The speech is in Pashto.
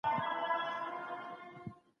سياستپوهان د نظريو پر بنسټ تحليل کوي.